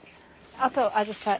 あとアジサイ。